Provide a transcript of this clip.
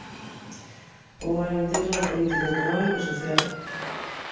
Un ano intenso no político, económico e social.